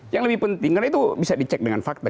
yang lebih penting karena itu bisa dicek dengan fakta